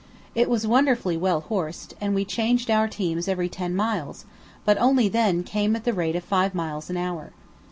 It was wonderfully well horsed, and we changed our teams every ten miles; but only then came at the rate of five miles an hour.